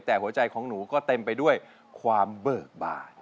แต่หัวใจของหนูก็เต็มไปด้วยความเบิกบาน